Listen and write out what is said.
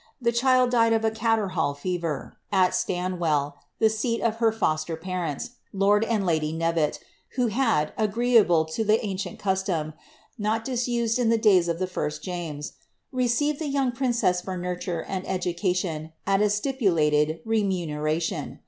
The child died of a catarrhal fever at Stan well, the aeat of her foster parents, lord and lady Knevet, who had, agreeably to an ancient custom (not disused in the days of the first James), received the young princess for nurture and education at a stipulated remunera tion.